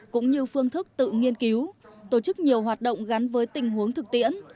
cũng như phương thức tự nghiên cứu tổ chức nhiều hoạt động gắn với tình huống thực tiễn